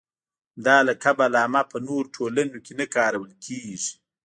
همدا لقب علامه په نورو ټولنو کې نه کارول کېږي.